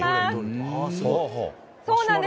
そうなんです。